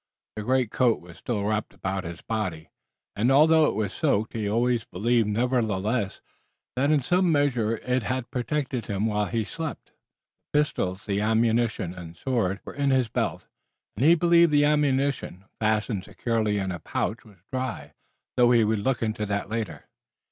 The greatcoat was still wrapped about his body, and although it was soaked he always believed, nevertheless, that in some measure it had protected him while he slept. The pistols, the ammunition and the sword were in his belt, and he believed that the ammunition, fastened securely in a pouch, was dry, though he would look into that later.